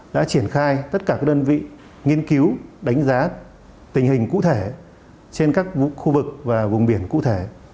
đã triển khai tất cả các đơn vị nghiên cứu đánh giá tình hình cụ thể trên các khu vực và vùng biển cụ thể